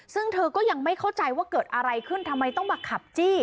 ซึ่งเธอก็ยังไม่เข้าใจว่าเกิดอะไรขึ้นทำไมต้องมาขับจี้